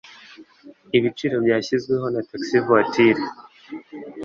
Ibiciro byashyizweho kuri Taxi Voiture